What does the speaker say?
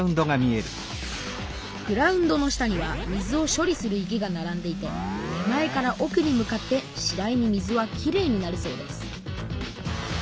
グラウンドの下には水を処理する池がならんでいて手前からおくに向かってしだいに水はきれいになるそうです